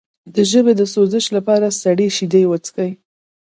د ژبې د سوزش لپاره سړې شیدې وڅښئ